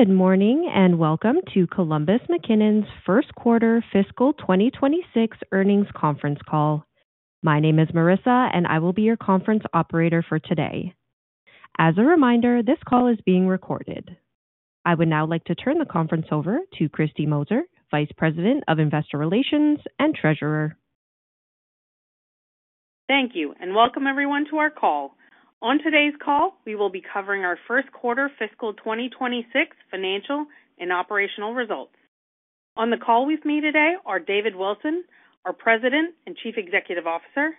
Good morning and welcome to Columbus McKinnon's first quarter fiscal 2026 earnings conference call. My name is Marissa, and I will be your conference operator for today. As a reminder, this call is being recorded. I would now like to turn the conference over to Kristy Moser, Vice President of Investor Relations and Treasurer. Thank you, and welcome everyone to our call. On today's call, we will be covering our first quarter fiscal 2026 financial and operational results. On the call with me today are David Wilson, our President and Chief Executive Officer,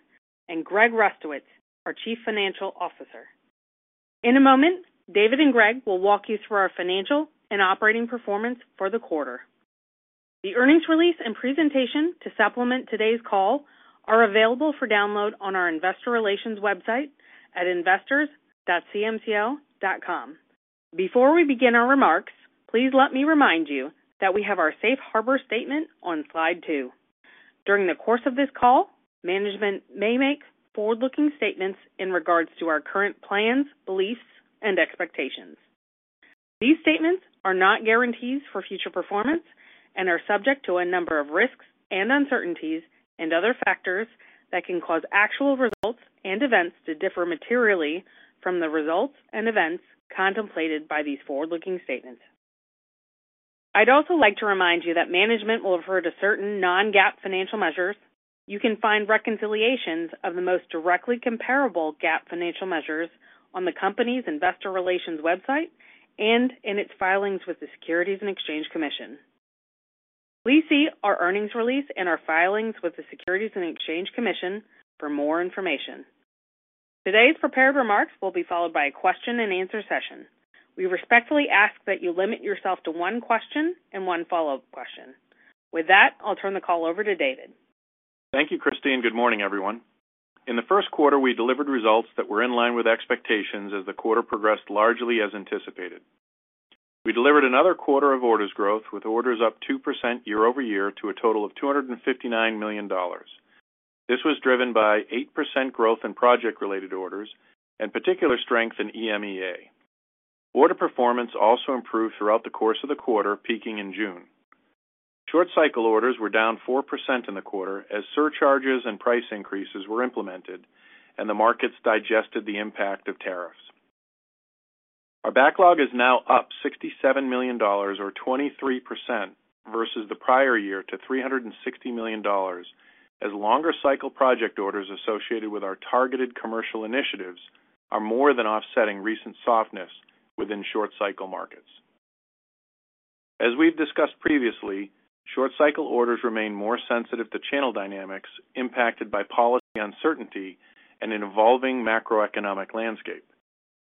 and Greg Rustowicz, our Chief Financial Officer. In a moment, David and Greg will walk you through our financial and operating performance for the quarter. The earnings release and presentation to supplement today's call are available for download on our Investor Relations website at investors.cmco.com. Before we begin our remarks, please let me remind you that we have our safe harbor statement on slide two. During the course of this call, management may make forward-looking statements in regards to our current plans, beliefs, and expectations. These statements are not guarantees for future performance and are subject to a number of risks and uncertainties and other factors that can cause actual results and events to different materially from the results and events contemplated by these forward-looking statements. I'd also like to remind you that management will refer to certain non-GAAP financial measures. You can find reconciliations of the most directly comparable GAAP financial measures on the company's Investor Relations website and in its filings with the Securities and Exchange Commission. Please see our earnings release and our filings with the Securities and Exchange Commission for more information. Today's prepared remarks will be followed by a question and answer session. We respectfully ask that you limit yourself to one question and one follow-up question. With that, I'll turn the call over to David. Thank you, Kristy, and good morning, everyone. In the first quarter, we delivered results that were in line with expectations as the quarter progressed, largely as anticipated. We delivered another quarter of orders growth, with orders up 2% year-over-year to a total of $259 million. This was driven by 8% growth in project-related orders and particular strength in EMEA. Order performance also improved throughout the course of the quarter, peaking in June. Short cycle orders were down 4% in the quarter as surcharges and price increases were implemented, and the markets digested the impact of tariffs. Our backlog is now up $67 million, or 23% versus the prior year, to $360 million, as longer cycle project orders associated with our targeted commercial initiatives are more than offsetting recent softness within short cycle markets. As we've discussed previously, short cycle orders remain more sensitive to channel dynamics impacted by policy uncertainty and an evolving macroeconomic landscape.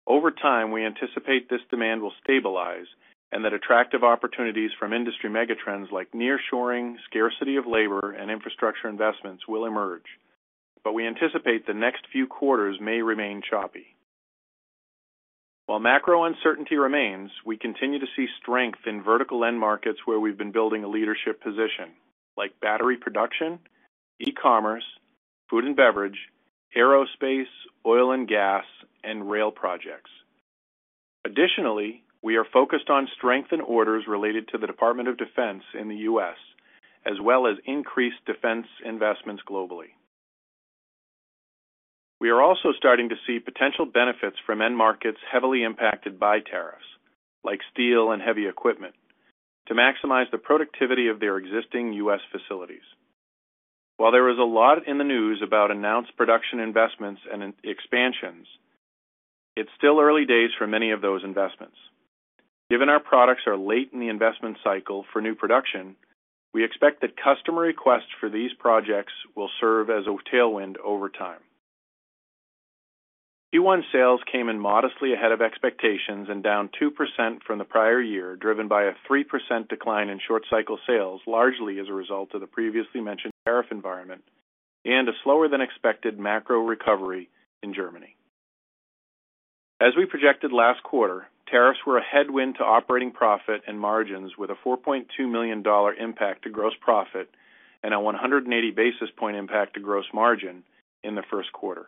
Over time, we anticipate this demand will stabilize and that attractive opportunities from industry megatrends like nearshoring, scarcity of labor, and infrastructure investments will emerge. We anticipate the next few quarters may remain choppy. While macro uncertainty remains, we continue to see strength in vertical end markets where we've been building a leadership position, like battery production, e-commerce, food and beverage, aerospace, oil and gas, and rail projects. Additionally, we are focused on strength in orders related to the Department of Defense in the U.S., as well as increased defense investments globally. We are also starting to see potential benefits from end markets heavily impacted by tariffs, like steel and heavy equipment, to maximize the productivity of their existing U.S. facilities. While there is a lot in the news about announced production investments and expansions, it's still early days for many of those investments. Given our products are late in the investment cycle for new production, we expect that customer requests for these projects will serve as a tailwind over time. Q1 sales came in modestly ahead of expectations and down 2% from the prior year, driven by a 3% decline in short cycle sales, largely as a result of the previously mentioned tariff environment and a slower than expected macro recovery in Germany. As we projected last quarter, tariffs were a headwind to operating profit and margins, with a $4.2 million impact to gross profit and a 180 basis point impact to gross margin in the first quarter.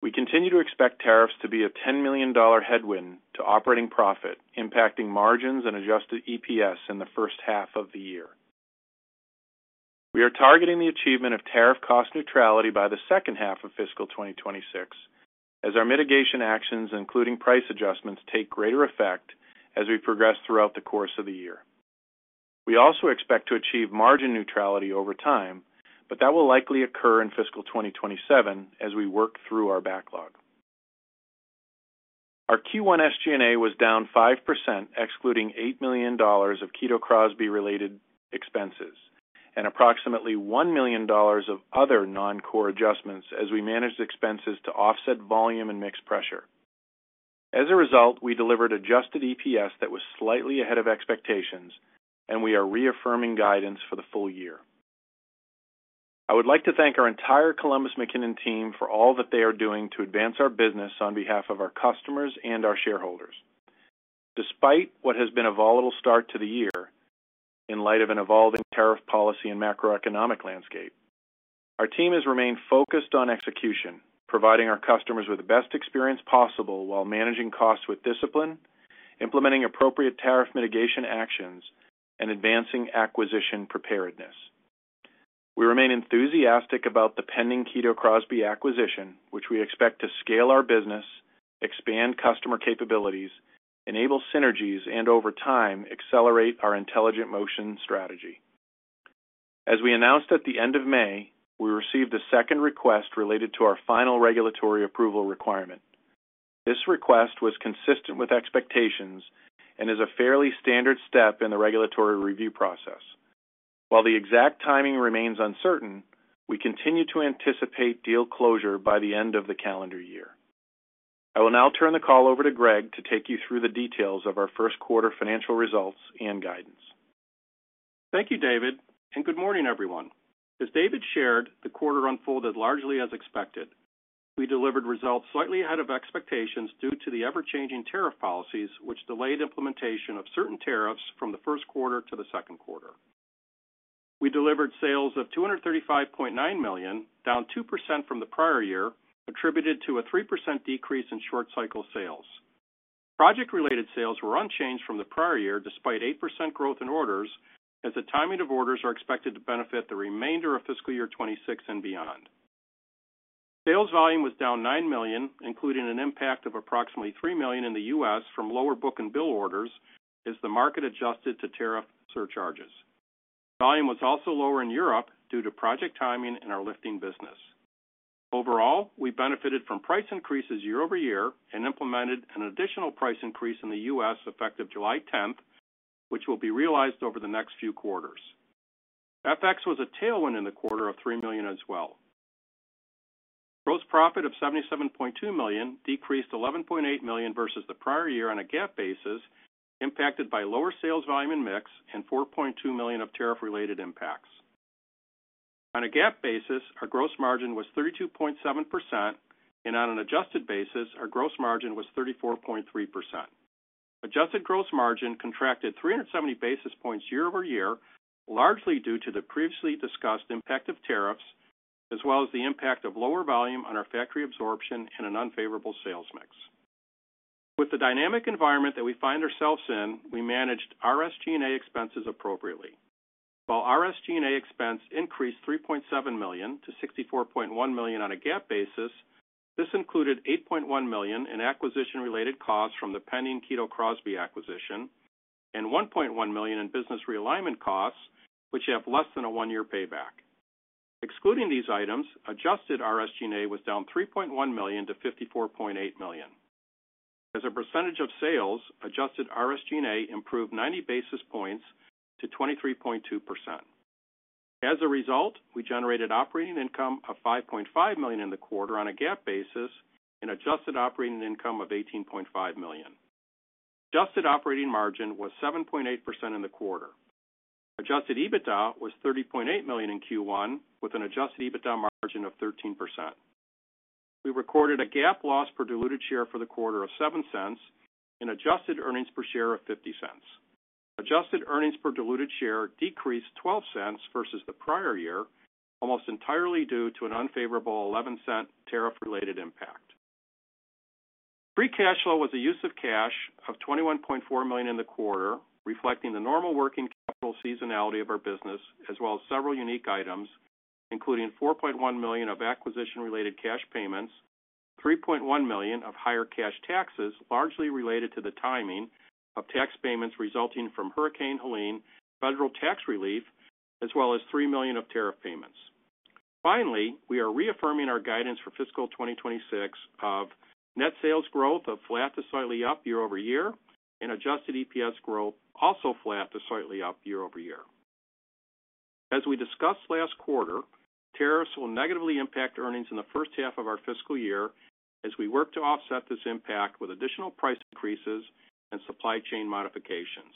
We continue to expect tariffs to be a $10 million headwind to operating profit, impacting margins and adjusted EPS in the first half of the year. We are targeting the achievement of tariff cost neutrality by the second half of fiscal 2026, as our mitigation actions, including price adjustments, take greater effect as we progress throughout the course of the year. We also expect to achieve margin neutrality over time, but that will likely occur in fiscal 2027 as we work through our backlog. Our Q1 SG&A was down 5%, excluding $8 million of Kito Crosby related expenses and approximately $1 million of other non-core adjustments as we managed expenses to offset volume and mix pressure. As a result, we delivered adjusted EPS that was slightly ahead of expectations, and we are reaffirming guidance for the full year. I would like to thank our entire Columbus McKinnon team for all that they are doing to advance our business on behalf of our customers and our shareholders. Despite what has been a volatile start to the year, in light of an evolving tariff policy and macroeconomic landscape, our team has remained focused on execution, providing our customers with the best experience possible while managing costs with discipline, implementing appropriate tariff mitigation actions, and advancing acquisition preparedness. We remain enthusiastic about the pending Kito Crosby acquisition, which we expect to scale our business, expand customer capabilities, enable synergies, and over time accelerate our intelligent motion strategy. As we announced at the end of May, we received a second request related to our final regulatory approval requirement. This request was consistent with expectations and is a fairly standard step in the regulatory review process. While the exact timing remains uncertain, we continue to anticipate deal closure by the end of the calendar year. I will now turn the call over to Greg to take you through the details of our first quarter financial results and guidance. Thank you, David, and good morning, everyone. As David shared, the quarter unfolded largely as expected. We delivered results slightly ahead of expectations due to the ever-changing tariff policies, which delayed implementation of certain tariffs from the first quarter to the second quarter. We delivered sales of $235.9 million, down 2% from the prior year, attributed to a 3% decrease in short cycle sales. Project-related sales were unchanged from the prior year, despite 8% growth in orders, as the timing of orders are expected to benefit the remainder of fiscal year 2026 and beyond. Sales volume was down $9 million, including an impact of approximately $3 million in the U.S. from lower book and bill orders as the market adjusted to tariff surcharges. Volume was also lower in Europe due to project timing and our lifting business. Overall, we benefited from price increases year-over-year and implemented an additional price increase in the U.S. effective July 10th, which will be realized over the next few quarters. FX was a tailwind in the quarter of $3 million as well. Gross profit of $77.2 million decreased $11.8 million versus the prior year on a GAAP basis, impacted by lower sales volume and mix and $4.2 million of tariff-related impacts. On a GAAP basis, our gross margin was 32.7%, and on an adjusted basis, our gross margin was 34.3%. Adjusted gross margin contracted 370 basis points year-over-year, largely due to the previously discussed impact of tariffs, as well as the impact of lower volume on our factory absorption and an unfavorable sales mix. With the dynamic environment that we find ourselves in, we managed our SG&A expenses appropriately. While our SG&A expense increased $3.7 million to $64.1 million on a GAAP basis, this included $8.1 million in acquisition-related costs from the pending Kito Crosby acquisition and $1.1 million in business realignment costs, which have less than a one-year payback. Excluding these items, adjusted SG&A was down $3.1 million to $54.8 million. As a percentage of sales, adjusted SG&A improved 90 basis points to 23.2%. As a result, we generated operating income of $5.5 million in the quarter on a GAAP basis and adjusted operating income of $18.5 million. Adjusted operating margin was 7.8% in the quarter. Adjusted EBITDA was $30.8 million in Q1, with an adjusted EBITDA margin of 13%. We recorded a GAAP loss per diluted share for the quarter of $0.07 and adjusted earnings per share of $0.50. Adjusted earnings per diluted share decreased $0.12 versus the prior year, almost entirely due to an unfavorable $0.11 tariff-related impact. Free cash flow was a use of cash of $21.4 million in the quarter, reflecting the normal working capital seasonality of our business, as well as several unique items, including $4.1 million of acquisition-related cash payments, $3.1 million of higher cash taxes, largely related to the timing of tax payments resulting from Hurricane Helene federal tax relief, as well as $3 million of tariff payments. Finally, we are reaffirming our guidance for fiscal 2026 of net sales growth of flat to slightly up year-over-year and adjusted EPS growth also flat to slightly up year-over-year. As we discussed last quarter, tariffs will negatively impact earnings in the first half of our fiscal year as we work to offset this impact with additional price increases and supply chain modifications.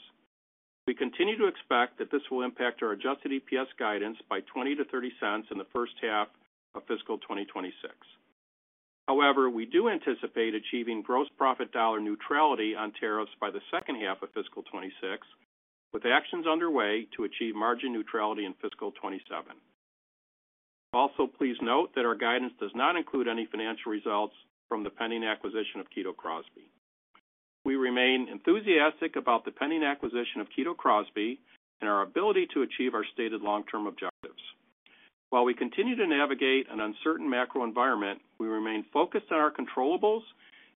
We continue to expect that this will impact our adjusted EPS guidance by $0.20 to $0.30 in the first half of fiscal 2026. However, we do anticipate achieving gross profit dollar neutrality on tariffs by the second half of fiscal 2026, with actions underway to achieve margin neutrality in fiscal 2027. Also, please note that our guidance does not include any financial results from the pending acquisition of Kito Crosby. We remain enthusiastic about the pending acquisition of Kito Crosby and our ability to achieve our stated long-term objectives. While we continue to navigate an uncertain macroeconomic environment, we remain focused on our controllables,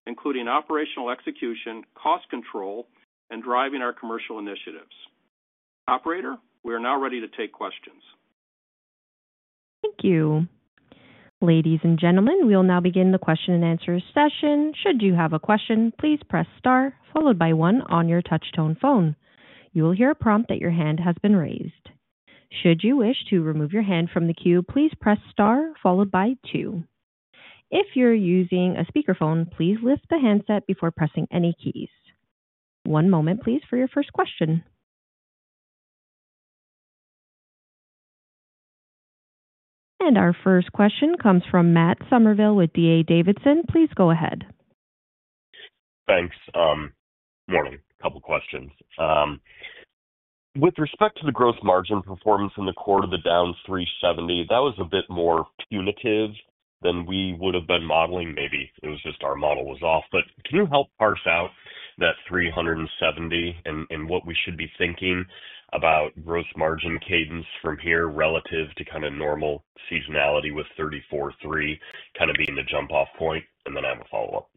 including operational execution, cost control, and driving our commercial initiatives. Operator, we are now ready to take questions. Thank you. Ladies and gentlemen, we will now begin the question and answer session. Should you have a question, please press star followed by one on your touch-tone phone. You will hear a prompt that your hand has been raised. Should you wish to remove your hand from the queue, please press star followed by two. If you're using a speakerphone, please lift the handset before pressing any keys. One moment, please, for your first question. Our first question comes from Matt Somerville with DA Davidson. Please go ahead. Thanks. Morning. A couple of questions. With respect to the gross margin performance in the quarter, the down 370, that was a bit more punitive than we would have been modeling. Maybe it was just our model was off. Can you help parse out that 370 and what we should be thinking about gross margin cadence from here relative to kind of normal seasonality with 34.3% kind of being the jump-off point? I have a follow-up.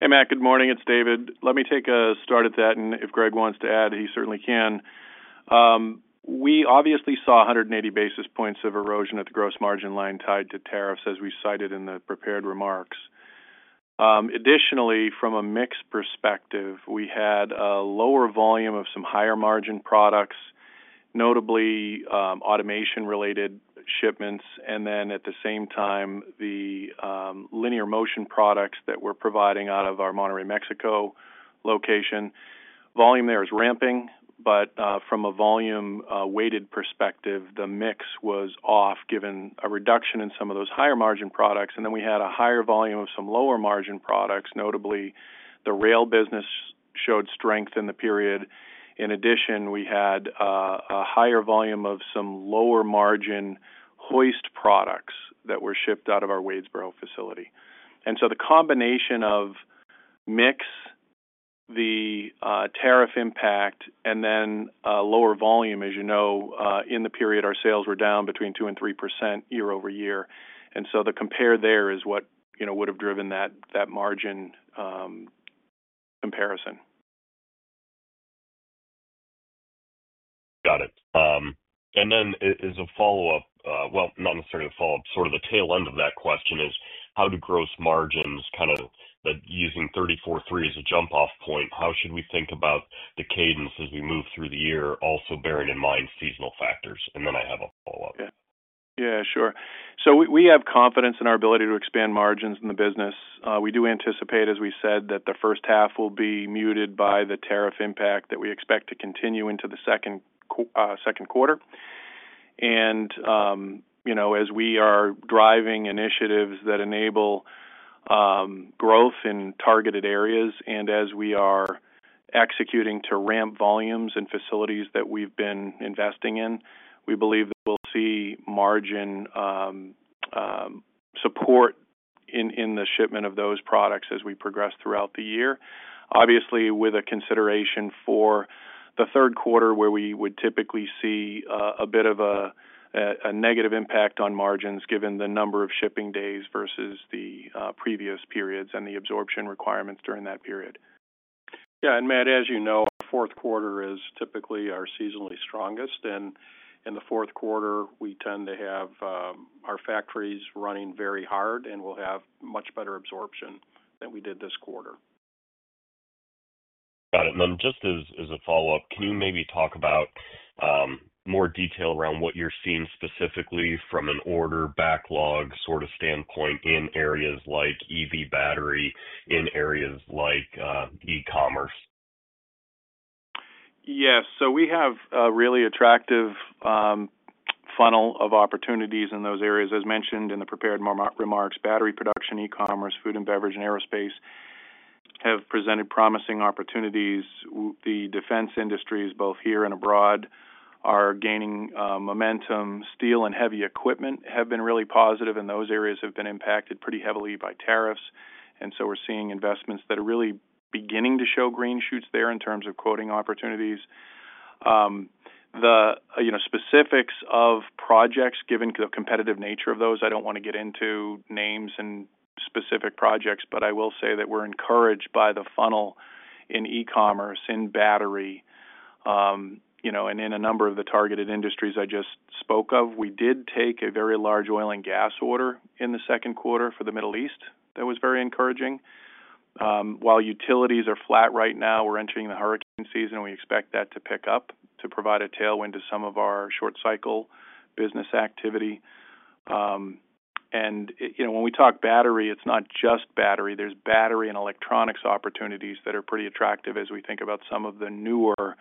Hey, Matt. Good morning. It's David. Let me take a start at that. If Greg wants to add, he certainly can. We obviously saw 180 basis points of erosion at the gross margin line tied to tariffs, as we cited in the prepared remarks. Additionally, from a mix perspective, we had a lower volume of some higher margin products, notably automation-related shipments, and at the same time, the linear motion products that we're providing out of our Monterrey, Mexico location. Volume there is ramping, but from a volume-weighted perspective, the mix was off given a reduction in some of those higher margin products. We had a higher volume of some lower margin products. Notably, the rail business showed strength in the period. In addition, we had a higher volume of some lower margin hoist products that were shipped out of our Wadesboro facility. The combination of the mix, the tariff impact, and lower volume, as you know, in the period our sales were down between 2% and 3% year over year. The compare there is what would have driven that margin comparison. Got it. As a follow-up, sort of the tail end of that question is how do gross margins, kind of using 34.3% as a jump-off point, how should we think about the cadence as we move through the year, also bearing in mind seasonal factors? I have a follow-up. Yeah, sure. We have confidence in our ability to expand margins in the business. We do anticipate, as we said, that the first half will be muted by the tariff impact that we expect to continue into the second quarter. As we are driving initiatives that enable growth in targeted areas and as we are executing to ramp volumes and facilities that we've been investing in, we believe that we'll see margin support in the shipment of those products as we progress throughout the year. Obviously, with a consideration for the third quarter, where we would typically see a bit of a negative impact on margins given the number of shipping days versus the previous periods and the absorption requirements during that period. Matt, as you know, our fourth quarter is typically our seasonally strongest, and in the fourth quarter, we tend to have our factories running very hard, and we'll have much better absorption than we did this quarter. Got it. Just as a follow-up, can you maybe talk about more detail around what you're seeing specifically from an order backlog standpoint in areas like EV battery, in areas like e-commerce? Yes. We have a really attractive funnel of opportunities in those areas. As mentioned in the prepared remarks, battery production, e-commerce, food and beverage, and aerospace have presented promising opportunities. The defense industries, both here and abroad, are gaining momentum. Steel and heavy equipment have been really positive, and those areas have been impacted pretty heavily by tariffs. We're seeing investments that are really beginning to show green shoots there in terms of quoting opportunities. The specifics of projects, given the competitive nature of those, I don't want to get into names and specific projects, but I will say that we're encouraged by the funnel in e-commerce, in battery, and in a number of the targeted industries I just spoke of. We did take a very large oil and gas order in the second quarter for the Middle East that was very encouraging. While utilities are flat right now, we're entering the hurricane season, and we expect that to pick up to provide a tailwind to some of our short cycle business activity. When we talk battery, it's not just battery. There's battery and electronics opportunities that are pretty attractive as we think about some of the newer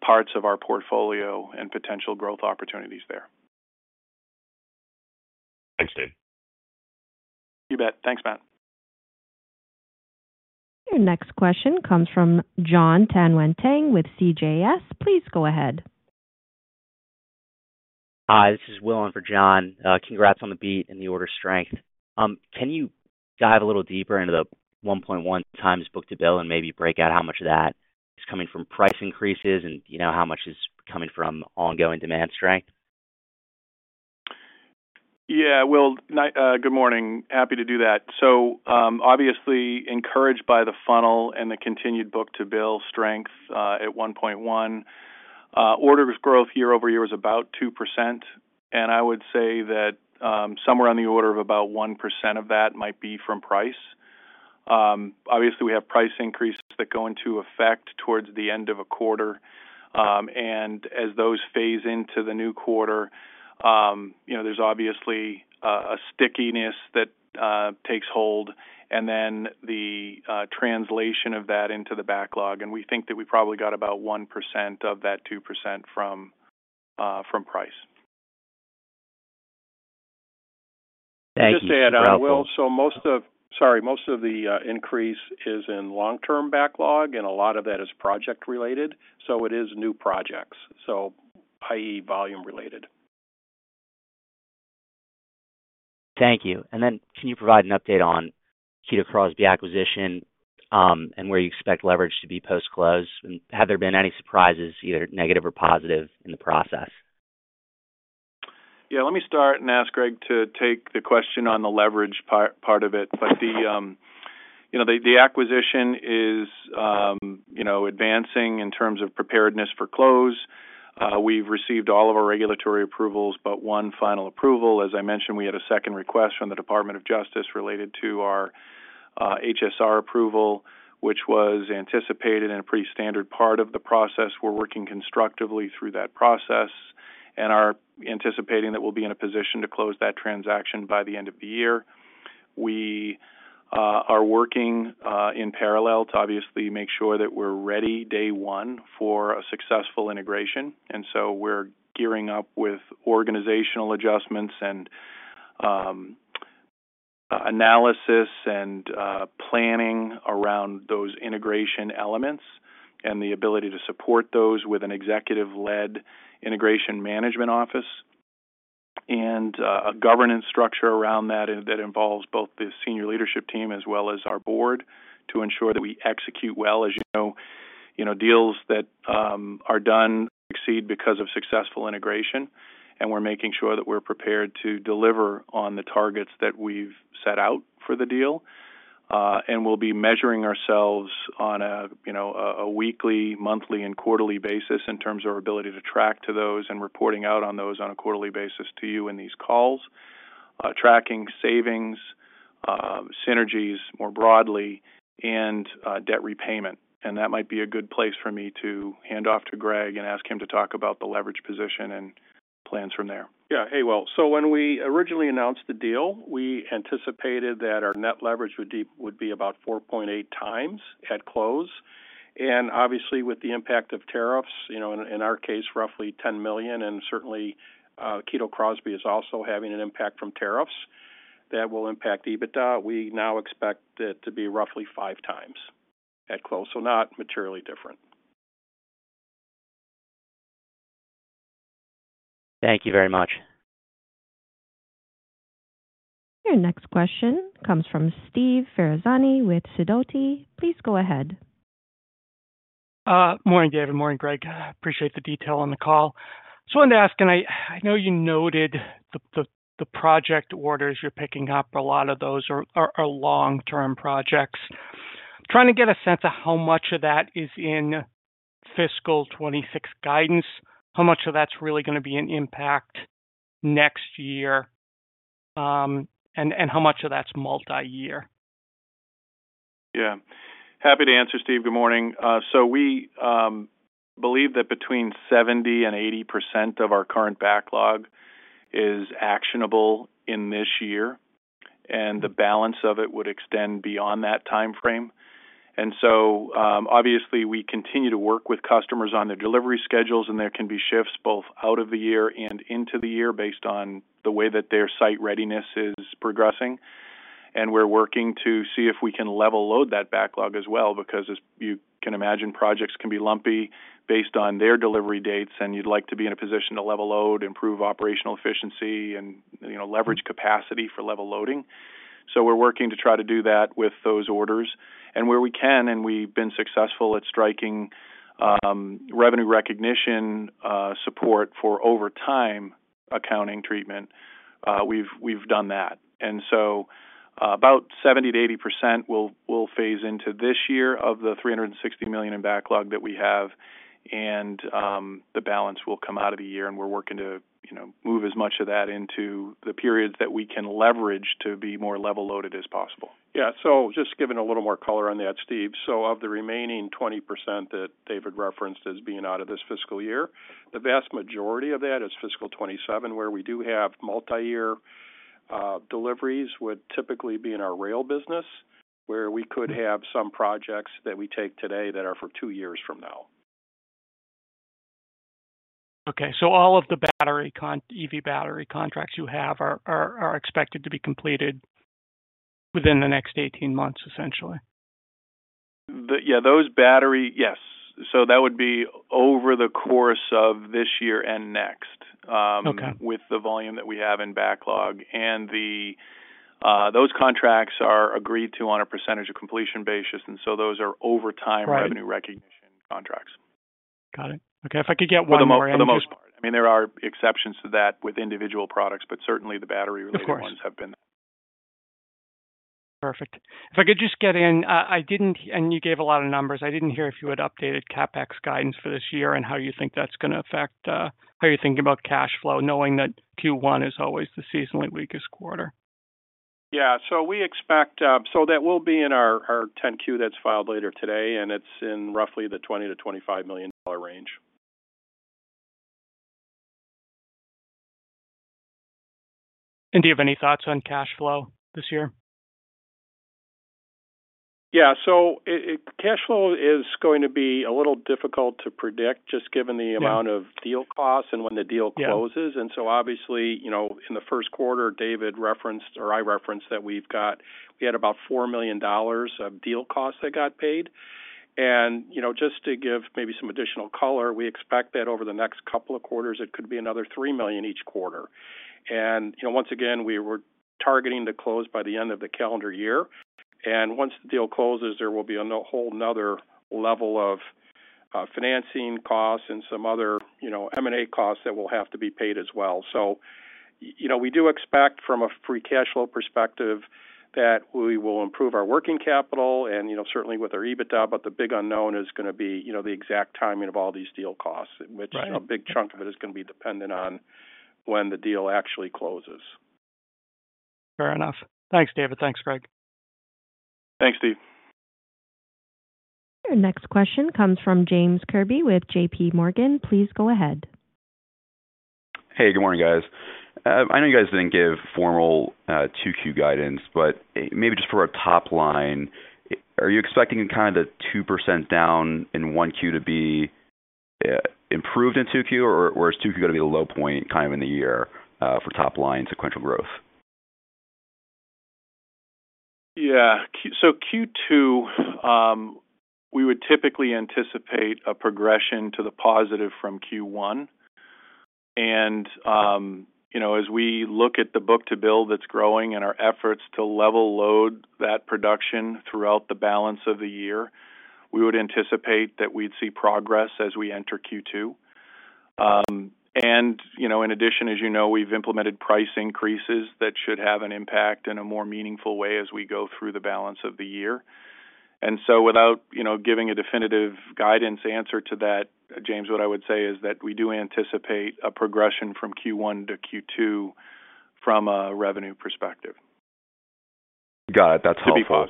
parts of our portfolio and potential growth opportunities there. Thanks, David. You bet. Thanks, Matt. Your next question comes from Jon Tanwanteng with CJS Securities. Please go ahead. Hi, this is Willen for Jon. Congrats on the beat and the order strength. Can you dive a little deeper into the 1.1x book-to-bill and maybe break out how much of that is coming from price increases and how much is coming from ongoing demand strength? Good morning. Happy to do that. Obviously encouraged by the funnel and the continued book-to-bill strength at 1.1. Order growth year over year is about 2%, and I would say that somewhere on the order of about 1% of that might be from price. Obviously, we have price increases that go into effect towards the end of a quarter. As those phase into the new quarter, there's obviously a stickiness that takes hold and then the translation of that into the backlog. We think that we probably got about 1% of that 2% from price. Thank you. Just to add on, most of the increase is in long-term backlog, and a lot of that is project-related. It is new projects, i.e., volume-related. Thank you. Can you provide an update on Kito Crosby acquisition and where you expect leverage to be post-close? Have there been any surprises, either negative or positive, in the process? Let me start and ask Greg to take the question on the leverage part of it. The acquisition is advancing in terms of preparedness for close. We've received all of our regulatory approvals but one final approval. As I mentioned, we had a second request from the Department of Justice related to our HSR approval, which was anticipated and is a pretty standard part of the process. We're working constructively through that process and are anticipating that we'll be in a position to close that transaction by the end of the year. We are working in parallel to make sure that we're ready day one for a successful integration. We're gearing up with organizational adjustments and analysis and planning around those integration elements and the ability to support those with an executive-led integration management office and a governance structure around that that involves both the Senior Leadership Team as well as our Board to ensure that we execute well. As you know, deals that are done succeed because of successful integration, and we're making sure that we're prepared to deliver on the targets that we've set out for the deal. We'll be measuring ourselves on a weekly, monthly, and quarterly basis in terms of our ability to track to those and reporting out on those on a quarterly basis to you in these calls, tracking savings, synergies more broadly, and debt repayment. That might be a good place for me to hand off to Greg and ask him to talk about the leverage position and plans from there. Yeah. When we originally announced the deal, we anticipated that our net leverage would be about 4.8x at close. Obviously, with the impact of tariffs, in our case, roughly $10 million, and certainly Kito Crosby is also having an impact from tariffs that will impact EBITDA. We now expect it to be roughly 5x at close, so not materially different. Thank you very much. Your next question comes from Steve Ferazani with Sidoti. Please go ahead. Morning, David. Morning, Greg. Appreciate the detail on the call. I just wanted to ask, I know you noted the project orders you're picking up. A lot of those are long-term projects. Trying to get a sense of how much of that is in fiscal 2026 guidance, how much of that's really going to be an impact next year, and how much of that's multi-year? Yeah. Happy to answer, Steve. Good morning. We believe that between 70% and 80% of our current backlog is actionable in this year, and the balance of it would extend beyond that timeframe. Obviously, we continue to work with customers on their delivery schedules, and there can be shifts both out of the year and into the year based on the way that their site readiness is progressing. We're working to see if we can level load that backlog as well, because as you can imagine, projects can be lumpy based on their delivery dates, and you'd like to be in a position to level load, improve operational efficiency, and leverage capacity for level loading. We're working to try to do that with those orders. Where we can, and we've been successful at striking revenue recognition support for overtime accounting treatment, we've done that. About 70% to 80% will phase into this year of the $360 million in backlog that we have, and the balance will come out of the year. We're working to move as much of that into the periods that we can leverage to be more level loaded as possible. Just giving a little more color on that, Steve. Of the remaining 20% that David referenced as being out of this fiscal year, the vast majority of that is fiscal 2027, where we do have multi-year deliveries that would typically be in our rail business, where we could have some projects that we take today that are for two years from now. Okay. All of the EV battery contracts you have are expected to be completed within the next 18 months, essentially? Yes, those battery, yes. That would be over the course of this year and next, with the volume that we have in backlog. Those contracts are agreed to on a percentage of completion basis, and those are overtime revenue recognition contracts. Got it. Okay, if I could get one more in. For the most part, I mean, there are exceptions to that with individual products, but certainly the battery-related ones have been there. Perfect. If I could just get in, I didn't, and you gave a lot of numbers. I didn't hear if you had updated CapEx guidance for this year and how you think that's going to affect how you're thinking about cash flow, knowing that Q1 is always the seasonally weakest quarter. Yeah, we expect that will be in our 10-Q that's filed later today, and it's in roughly the $20 to $25 million range. Do you have any thoughts on cash flow this year? Yeah. Cash flow is going to be a little difficult to predict just given the amount of deal costs and when the deal closes. Obviously, you know, in the first quarter, David referenced, or I referenced that we've got, we had about $4 million of deal costs that got paid. Just to give maybe some additional color, we expect that over the next couple of quarters, it could be another $3 million each quarter. We were targeting to close by the end of the calendar year. Once the deal closes, there will be a whole nother level of financing costs and some other, you know, M&A costs that will have to be paid as well. We do expect from a free cash flow perspective that we will improve our working capital. Certainly with our EBITDA, but the big unknown is going to be the exact timing of all these deal costs, which a big chunk of it is going to be dependent on when the deal actually closes. Fair enough. Thanks, David. Thanks, Greg. Thanks, Steve. Your next question comes from James Kirby with JPMorgan. Please go ahead. Hey, good morning, guys. I know you guys didn't give formal 2Q guidance, but maybe just for our top line, are you expecting kind of the 2% down in 1Q to be improved in 2Q, or is 2Q going to be the low point in the year for top line sequential growth? Yeah. Q2, we would typically anticipate a progression to the positive from Q1. As we look at the book-to-bill that's growing and our efforts to level load that production throughout the balance of the year, we would anticipate that we'd see progress as we enter Q2. In addition, as you know, we've implemented price increases that should have an impact in a more meaningful way as we go through the balance of the year. Without giving a definitive guidance answer to that, James, what I would say is that we do anticipate a progression from Q1 to Q2 from a revenue perspective. Got it. That's helpful.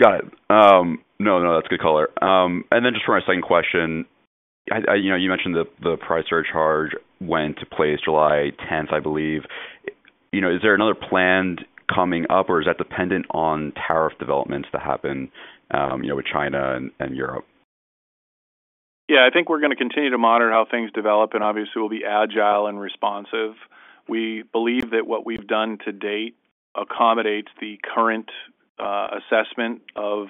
No, no, that's a good color. Just for my second question, you mentioned that the price surcharge went into place July 10th, I believe. Is there another planned coming up, or is that dependent on tariff developments that happen with China and Europe? Yeah, I think we're going to continue to monitor how things develop and obviously will be agile and responsive. We believe that what we've done to date accommodates the current assessment of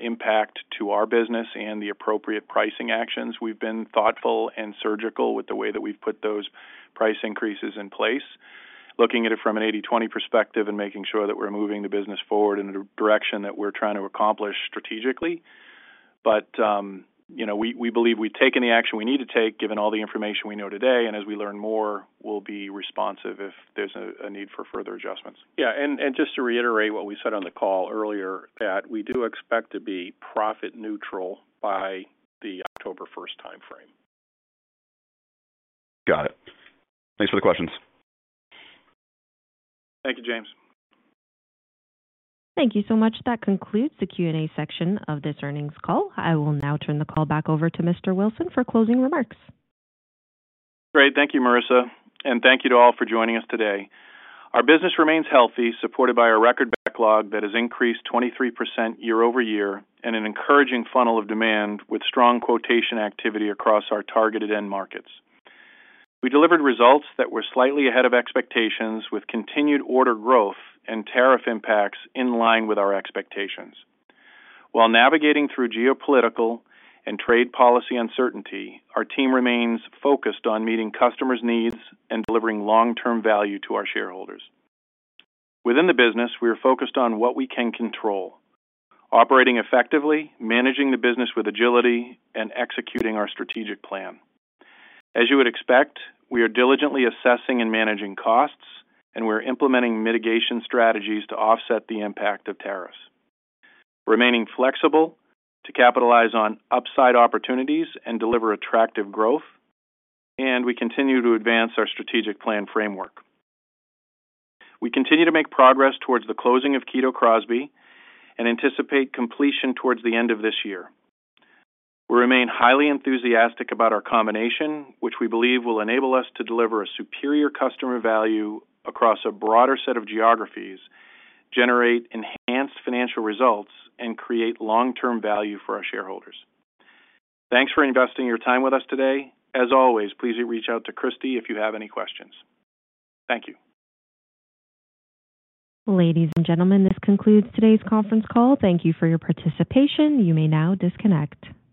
impact to our business and the appropriate pricing actions. We've been thoughtful and surgical with the way that we've put those price increases in place, looking at it from an 80:20 perspective and making sure that we're moving the business forward in a direction that we're trying to accomplish strategically. We believe we've taken the action we need to take given all the information we know today, and as we learn more, we'll be responsive if there's a need for further adjustments. Just to reiterate what we said on the call earlier, we do expect to be profit neutral by the October 1th timeframe. Got it. Thanks for the questions. Thank you, James. Thank you so much. That concludes the Q&A section of this earnings call. I will now turn the call back over to Mr. Wilson for closing remarks. Great. Thank you, Marissa, and thank you to all for joining us today. Our business remains healthy, supported by a record backlog that has increased 23% year-over-year and an encouraging funnel of demand with strong quotation activity across our targeted end markets. We delivered results that were slightly ahead of expectations with continued order growth and tariff impacts in line with our expectations. While navigating through geopolitical and trade policy uncertainty, our team remains focused on meeting customers' needs and delivering long-term value to our shareholders. Within the business, we are focused on what we can control: operating effectively, managing the business with agility, and executing our strategic plan. As you would expect, we are diligently assessing and managing costs, and we're implementing mitigation strategies to offset the impact of tariffs, remaining flexible to capitalize on upside opportunities and deliver attractive growth, and we continue to advance our strategic plan framework. We continue to make progress towards the closing of Kito Crosby and anticipate completion towards the end of this year. We remain highly enthusiastic about our combination, which we believe will enable us to deliver a superior customer value across a broader set of geographies, generate enhanced financial results, and create long-term value for our shareholders. Thanks for investing your time with us today. As always, please reach out to Kristy if you have any questions. Thank you. Ladies and gentlemen, this concludes today's conference call. Thank you for your participation. You may now disconnect.